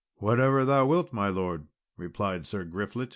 "Whatsoever thou wilt, my lord," replied Sir Griflet.